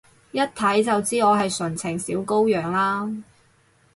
一睇就知我係純情小羔羊啦？